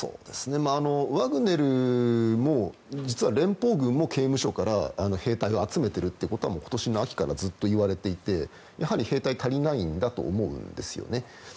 ワグネルも実は、連邦軍も刑務所から兵隊を集めているということは今年の秋からずっと言われていてやはり兵隊が足りないんだと思うんですよね。